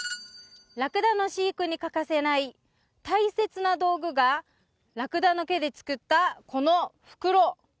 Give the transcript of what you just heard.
ラクダの飼育に欠かせない大切な道具がラクダの毛で作ったこの袋